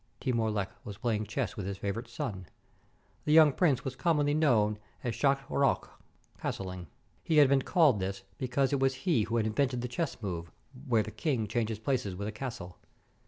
Timur Lenk was playing chess with his favorite son. The young prince was commonly known as Schach Roch (" castleing "). He had been called this because it was he who had invented the chess move where the king changes places with a castle.